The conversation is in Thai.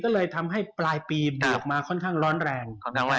ก็เลยทำให้ปลายปีบวกมาค่อนข้างร้อนแรง